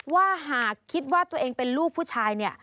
ว่าหากคิดว่าตัวเองเป็นลูกผู้ชาย